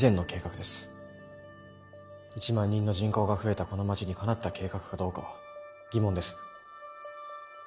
１万人の人口が増えたこの街にかなった計画かどうかは疑問です。